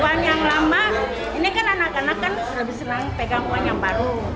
one yang lama ini kan anak anak kan lebih senang pegang uang yang baru